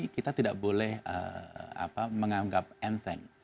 kita tidak boleh menganggap end end